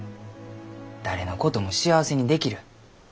誰のことも幸せにできる。